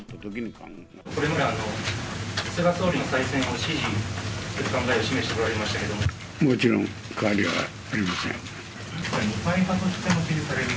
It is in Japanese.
これまで菅総理再選を支持するお考えを示しておられましたけもちろん変わりはありません。